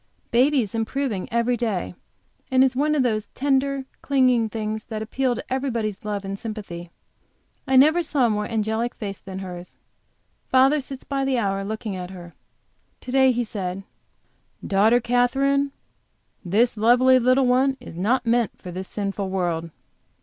Baby is improving every day, and is one of those tender, clinging little things that appeal to everybody's love and sympathy. I never saw a more angelic face than hers. Father sits by the hour looking at her. To day he said: "Daughter Katherine, this lovely little one is not meant for this sinful world."